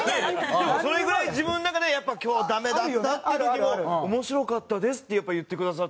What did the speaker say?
それぐらい自分の中でやっぱ今日はダメだったっていう時も「面白かったです」ってやっぱ言ってくださって。